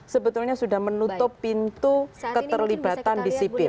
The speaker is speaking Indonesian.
sebetulnya sudah menutup pintu keterlibatan disiplin